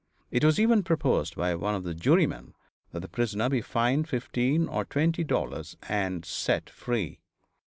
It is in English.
It was even proposed by one of the jurymen that the prisoner be fined fifteen or twenty dollars and set free.